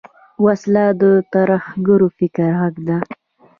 وسله د ترهګر فکر غږ ده